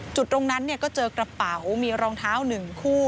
จุดตรงนั้นก็เจอกระเป๋ามีรองเท้า๑คู่